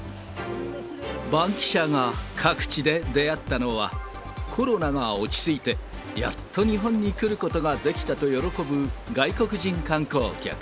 バンキシャが各地で出会ったのは、コロナが落ち着いて、やっと日本に来ることができたと喜ぶ外国人観光客。